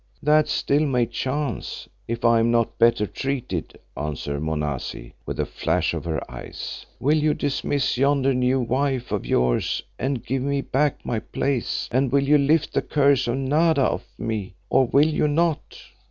"That still may chance, if I am not better treated," answered Monazi with a flash of her eyes. "Will you dismiss yonder new wife of yours and give me back my place, and will you lift the curse of Nada off me, or will you not?"